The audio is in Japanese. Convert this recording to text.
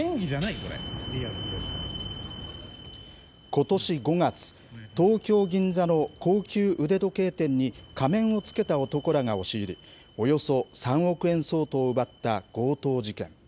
ことし５月、東京・銀座の高級腕時計店に、仮面をつけた男らが押し入り、およそ３億円相当を奪った強盗事件。